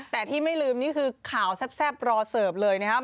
แต่ที่ไม่ลืมนี่คือข่าวแซ่บรอเสิร์ฟเลยนะครับ